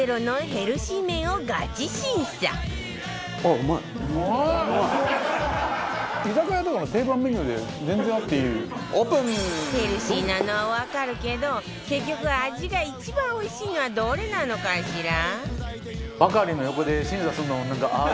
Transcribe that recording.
ヘルシーなのはわかるけど結局味が一番おいしいのはどれなのかしら？